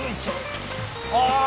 ああ！